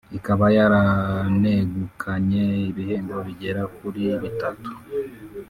ikaba yaranegukanye ibihembo bigera kuri bitatu